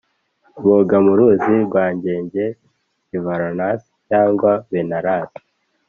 boga mu ruzi rwa gange i varanasi cyangwa benares